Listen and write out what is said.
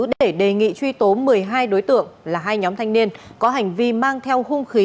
để đề nghị truy tố một mươi hai đối tượng là hai nhóm thanh niên có hành vi mang theo hung khí